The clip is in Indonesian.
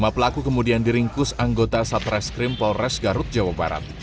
lima pelaku kemudian diringkus anggota satreskrim polres garut jawa barat